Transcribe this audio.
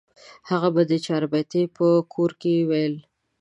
هغه به د چاربیتې په کور کې ویل.